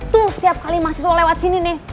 tuh setiap kali mahasiswa lewat sini nih